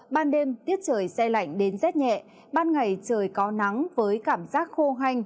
ban đêm tiết trời xe lạnh đến rất nhẹ ban ngày trời có nắng với cảm giác khô hành